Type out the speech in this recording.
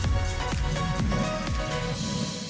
terima kasih banyak